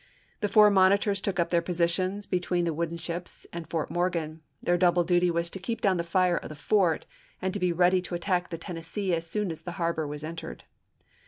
The four monitors took their positions between the wooden ships and Fort Morgan ; their double duty was to keep down the fire of the fort, and to be ready to attack the Tennessee as soon as the harbor was entered.